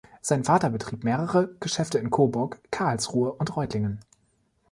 Sein Vater betrieb mehrere Geschäfte in Coburg, Karlsruhe und Reutlingen.